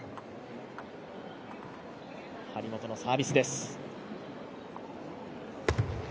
張本のサービスです。